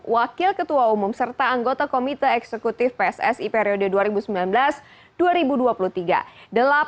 wakil ketua umum serta anggota komite eksekutif pssi periode dua ribu sembilan belas dua ribu dua puluh tiga